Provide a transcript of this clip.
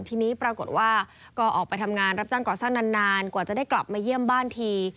ทีนี้ปรากฏว่าก็ออกไปทำงานรับจ้างก่อสร้างนานกว่าจะได้กลับมาเยี่ยมบ้านที